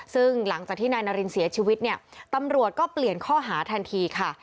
ซึ่งหลังจากที่นายนารินเสียชีวิตเนี่ยตำรวจก็เปลี่ยนข้อหาทันทีค่ะ